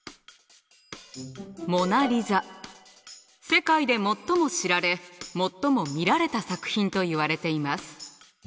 世界で最も知られ最も見られた作品といわれています。